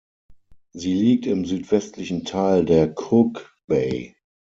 Sie liegt im südwestlichen Teil der Cook Bay.